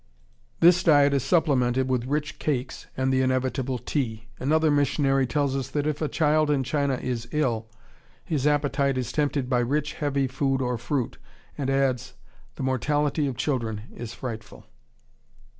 This diet is supplemented with rich cakes and the inevitable tea. Another missionary tells us that, if a child in China is ill, his appetite is tempted by rich, heavy food or fruit, and adds, "the mortality of children is frightful."